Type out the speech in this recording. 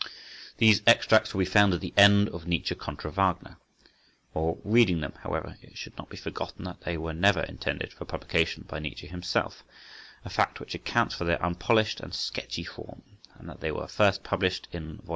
These extracts will be found at the end of "Nietzsche contra Wagner." While reading them, however, it should not be forgotten that they were never intended for publication by Nietzsche himself—a fact which accounts for their unpolished and sketchy form—and that they were first published in vol.